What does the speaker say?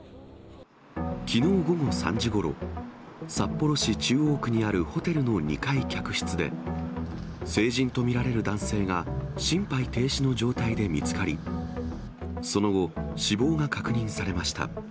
きのう午後３時ごろ、札幌市中央区にあるホテルの２階客室で、成人と見られる男性が、心肺停止の状態で見つかり、その後、死亡が確認されました。